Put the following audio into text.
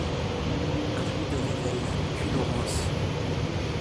Avenue de Revel, Puylaurens